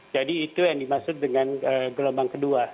jadi itu yang dimaksud dengan gelombang kedua